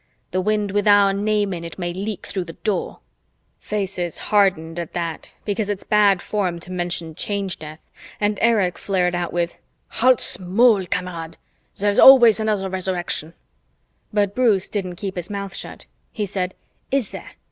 The wind with our name in it may leak through the Door." Faces hardened at that, because it's bad form to mention Change Death, and Erich flared out with, "Halt's Maul, Kamerad! There's always another Resurrection." But Bruce didn't keep his mouth shut. He said, "Is there?